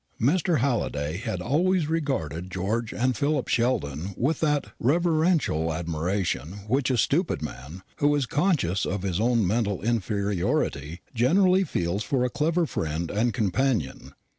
Mr. Halliday had always regarded George and Philip Sheldon with that reverential admiration which a stupid man, who is conscious of his own mental inferiority, generally feels for a clever friend and companion.